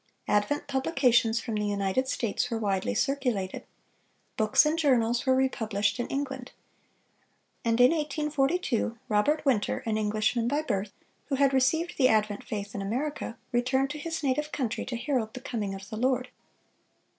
Advent publications from the United States were widely circulated. Books and journals were republished in England. And in 1842, Robert Winter, an Englishman by birth, who had received the advent faith in America, returned to his native country to herald the coming of the Lord.